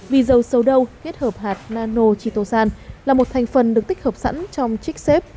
vì dầu sầu đâu kết hợp hạt nano chitosan là một thành phần được tích hợp sẵn trong trích xếp